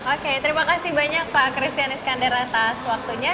oke terima kasih banyak pak christian iskandar atas waktunya